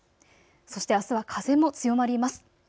そしてあすは風も強まります。